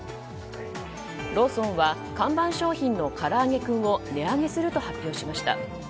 ローソンは看板商品のからあげクンを値上げすると発表しました。